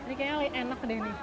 ini kayaknya lebih enak deh ini